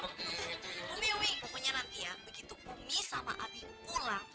umi pokoknya nanti ya begitu umi sama abie pulang